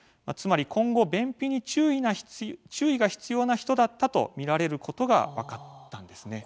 つまり今後、便秘に注意が必要な人だったと見られることが分かったんです。